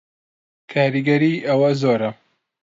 کاریگەری ئەوە زۆرە